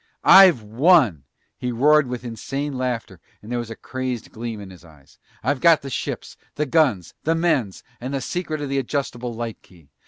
I've won!" He roared with insane laughter and there was a crazed gleam in his eyes. "I've got the ships, the guns, the men, and the secret of the adjustable light key.